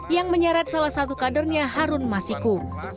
yang menyeret salah satu kadernya harun masiku